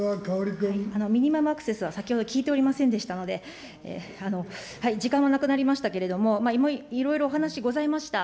ミニマムアクセスは、先ほど聞いておりませんので、時間もなくなりましたけれども、いろいろお話ございました。